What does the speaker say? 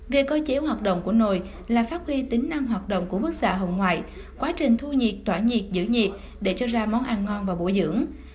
về cơ chế hoạt động của nồi là phát huy tính năng hoạt động của bức xạ hồng ngoại quá trình thu nhiệt tỏa nhiệt giữ nhiệt để cho ra món ăn ngon và bổ dưỡng